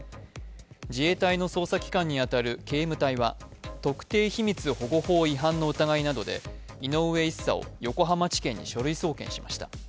自衛隊の捜査機関に当たる警務隊は特定秘密保護法違反の疑いなどで井上１佐を横浜地検に書類送検しました。